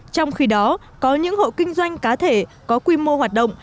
trong khi đó có những hộ kinh doanh cà phê có quy mô hoạt động